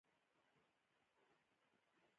غرونه د افغانانو د مېړانې او مقاومت سمبول ګڼل کېږي.